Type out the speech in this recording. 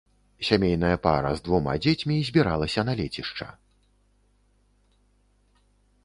Сямейная пара з двума дзецьмі збіралася на лецішча.